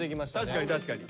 確かに確かに。